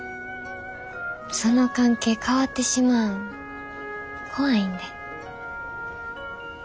その関係変わってしまうん怖いんで。